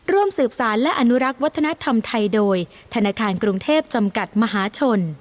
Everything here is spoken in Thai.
ร่วมสืบสารและอนุรักษ์วัฒนธรรมไทยโดยธนาคารกรุงเทพจำกัดมหาชน